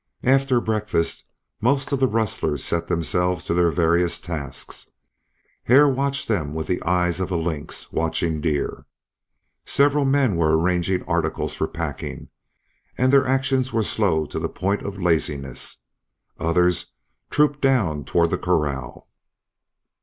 After breakfast most of the rustlers set themselves to their various tasks. Hare watched them with the eyes of a lynx watching deer. Several men were arranging articles for packing, and their actions were slow to the point of laziness; others trooped down toward the corral.